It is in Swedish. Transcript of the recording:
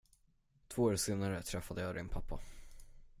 Två år senare träffade jag din pappa.